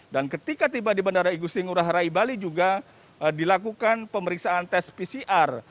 dan ketika tiba di bandara igusti ngurah rai bali juga dilakukan pemeriksaan tes pcr